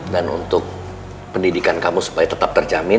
dan untuk pendidikan kamu supaya tetap terjamin